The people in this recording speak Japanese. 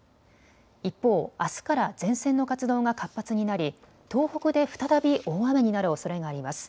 一方、あすから前線の活動が活発になり東北で再び大雨になるおそれがあります。